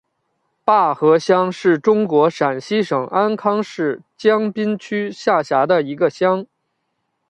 坝河乡是中国陕西省安康市汉滨区下辖的一个乡。